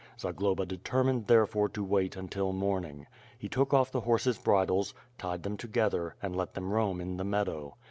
Zagloba determined therefore to wait until morning. He took ofF the horses' bridles, tied them to gether, and lot them roam in the meadow.